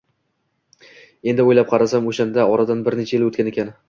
Endi o`ylab qarasam, o`shanda oradan bir yilcha o`tgan ekan